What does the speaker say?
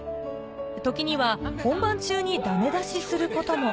時には本番中にだめ出しすることも。